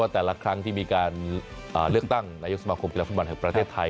แต่ละครั้งที่มีการเลือกตั้งนายกสมาคมกิจกรรมประเทศไทย